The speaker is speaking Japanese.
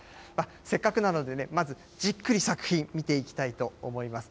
せっかくなのでね、まずじっくり作品、見ていきたいと思います。